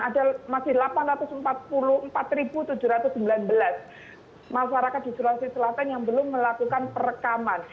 ada masih delapan ratus empat puluh empat tujuh ratus sembilan belas masyarakat di sulawesi selatan yang belum melakukan perekaman